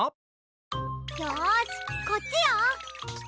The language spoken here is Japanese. よしこっちよ！